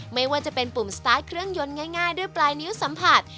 ไม่ว่าจะเป็นปุ่มสตาร์ทเครื่องยนต์ง่ายด้วยปลายนิ้วสัมผัส